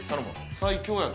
最強やん。